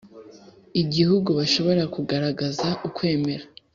Igihugu bashobora kugaragaza ukwemera